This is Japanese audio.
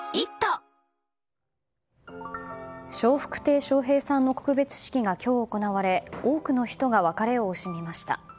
笑福亭笑瓶さんの告別式が今日行われ多くの人が別れを惜しみました。